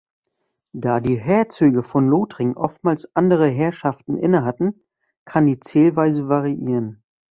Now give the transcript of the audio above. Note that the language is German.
Da die Herzöge von Lothringen oftmals andere Herrschaften innehatten, kann die Zählweise variieren